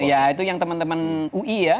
ya itu yang teman teman ui ya